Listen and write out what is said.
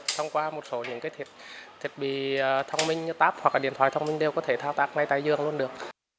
thông qua một số những thiết bị thông minh như táp hoặc là điện thoại thông minh đều có thể thao tác ngay tại giường luôn được